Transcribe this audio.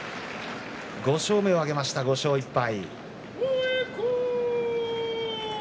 ５勝目を挙げました、５勝１敗。